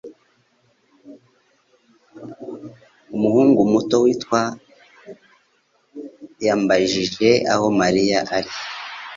Umuhungu muto witwa yambajije aho Mariya ari.